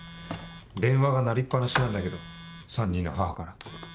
電話が鳴りっ放しなんだけど３人の母から。